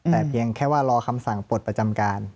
แต่เพียงแค่ว่ารอคำสั่งปลดประจำการ